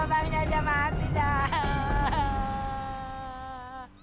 ya allah bangnya aja mati dah